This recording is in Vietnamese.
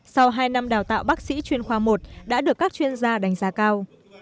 sau hai năm đào tạo bác sĩ chuyên khoa một đã được các chuyên gia đánh giá cao